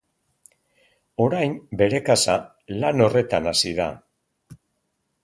Orain, bere kasa, lan horretan hasi da.